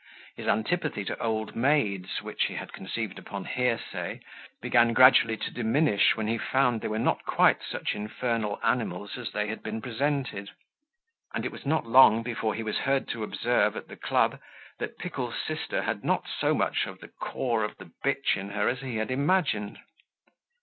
His antipathy to old maids, which he had conceived upon hearsay, began gradually to diminish when he found they were not quite such infernal animals as they had been presented; and it was not long before he was heard to observe, at the club, that Pickle's sister had not so much of the core of b in her as he had imagined.